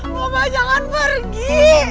papa jangan pergi